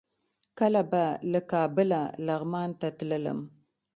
کله به له کابله لغمان ته تللم.